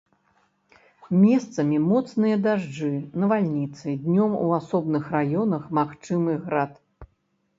Месцамі моцныя дажджы, навальніцы, днём у асобных раёнах магчымы град.